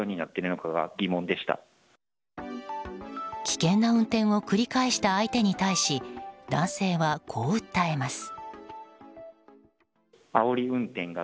危険な運転を繰り返した相手に対し男性は、こう訴えます。